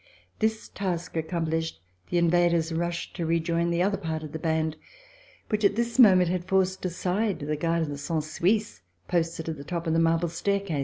This task accomplished, the invaders rushed to rejoin the other part of the band which, at this moment, had forced aside the guard of the Cent Suisses posted at the top of the marble staircase.